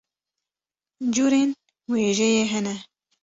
curên wêjeyê hene.